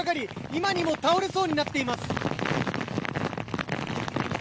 今にも倒れそうになっています。